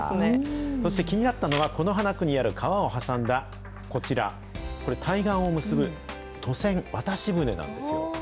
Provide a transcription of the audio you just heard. そして気になったのが、此花区にある川を挟んだこちら、これ、対岸を結ぶ渡船、渡し船なんですよ。